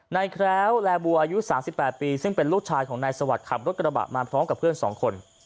แคล้วแลบัวอายุ๓๘ปีซึ่งเป็นลูกชายของนายสวัสดิ์ขับรถกระบะมาพร้อมกับเพื่อน๒คน